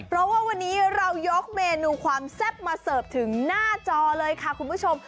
เพราะว่าวันนี้เรายกเมนูความแซ่บมาเสิร์ฟถึงหน้าจอเลยค่ะคุณผู้ชม